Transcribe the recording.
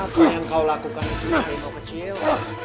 apa yang kau lakukan di sini kau kecil